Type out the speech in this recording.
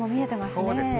そうですね。